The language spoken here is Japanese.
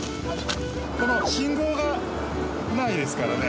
信号がないですからね。